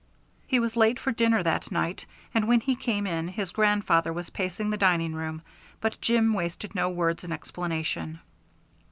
He was late for dinner that night, and when he came in his grandfather was pacing the dining room. But Jim wasted no words in explanation.